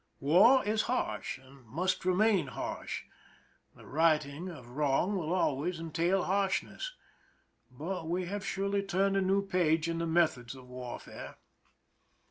War is harsh, and must remain harsh ; the righting of wrong will always en tail harshness: but we have surely turned a new page in the methods of warfare.